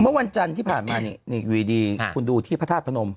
เมื่อวันจันทร์ที่ผ่านมานี่อยู่ดีคุณดูที่พระธาตุพนม